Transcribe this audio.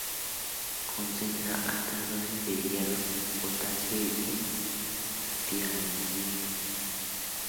Concentra altas dosis de hierro, potasio y tiamina.